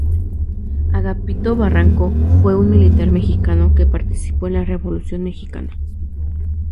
Agapito Barranco fue un militar mexicano que participó en la Revolución mexicana.